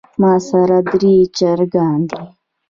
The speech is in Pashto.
ماسره درې چرګان دي